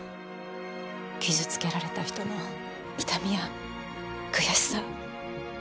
傷つけられた人の痛みや悔しさ。